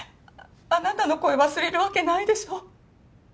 あなたの声忘れるわけないでしょ。